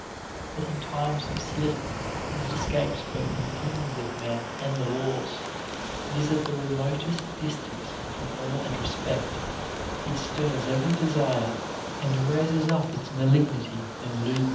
But in times of sleep, when it escapes both the opinions of men and the laws, and is at the remotest distance from awe and respect, it stirs every desire, and raises up its malignity and lewdness.